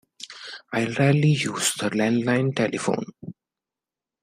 I rarely use the landline telephone.